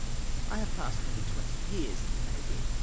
I have passed nearly twenty years in the navy.